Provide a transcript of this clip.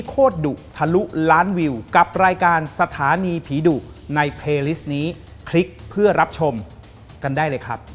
โปรดติดตามตอนต่อไป